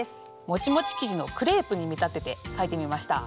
もちもち生地のクレープに見立てて書いてみました。